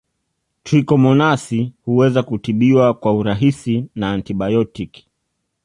Trichomonasi huweza kutibiwa kwa urahisi na antibaotiki